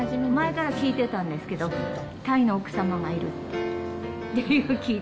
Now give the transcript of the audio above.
前から聞いてたんですけど、タイの奥様がいるって。